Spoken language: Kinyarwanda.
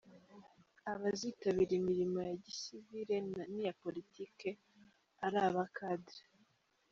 Abazitabira Imilimo ya gisivire n’iya Politiki ari aba Cadre